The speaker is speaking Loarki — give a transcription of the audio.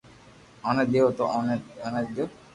اوني ديتو تو اوني تونا ديتو